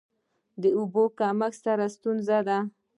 د اوبو کمښت یوه ستونزه ده.